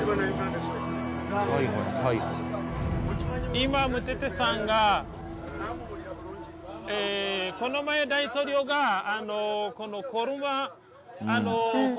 今ムテテさんがこの前大統領がこのコロナ。